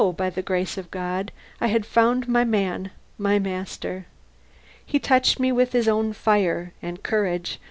by the grace of God, I had found my man, my master. He had touched me with his own fire and courage.